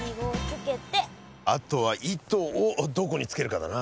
あとは糸をどこにつけるかだな。